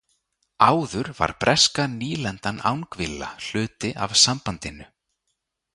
Áður var breska nýlendan Angvilla hluti af sambandinu.